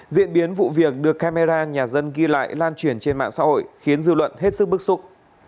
diễn biến vụ việc được camera nhà dân ghi lại lan truyền trên mạng xã hội khiến dư luận hết sức bức xúc